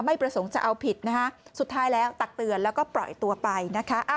ไม่ประสงค์จะเอาผิดนะคะสุดท้ายแล้วตักเตือนแล้วก็ปล่อยตัวไปนะคะ